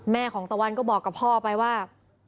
ของตะวันก็บอกกับพ่อไปว่า